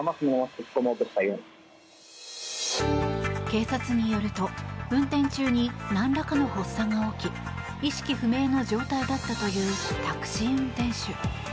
警察によると運転中になんらかの発作が起き意識不明の状態だったというタクシー運転手。